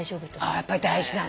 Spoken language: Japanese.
やっぱり大事なのよ。